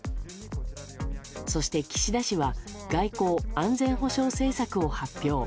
そして、岸田氏は外交・安全保障政策を発表。